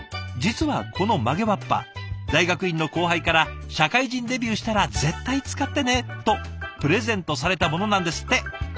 実はこの曲げわっぱ大学院の後輩から「社会人デビューしたら絶対使ってね」とプレゼントされたものなんですって。